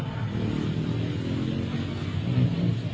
ครับ